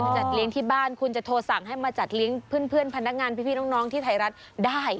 จัดเลี้ยงที่บ้านคุณจะโทรสั่งให้มาจัดเลี้ยงเพื่อนพนักงานพี่น้องที่ไทยรัฐได้